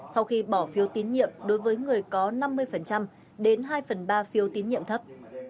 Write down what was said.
sau khi bỏ phiếu tín nhiệm đối với người có năm mươi đến hai phần ba phiếu tín nhiệm thấp